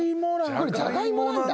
これじゃがいもなんだ。